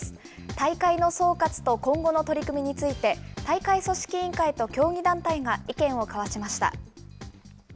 大会の総括と今後の取り組みについて、大会組織委員会と競技団体が意見を交わしました。